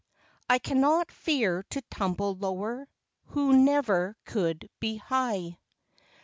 I cannot fear to tumble lower, Who never could be high.